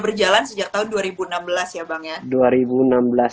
berjalan sejak tahun dua ribu enam belas ya bang ya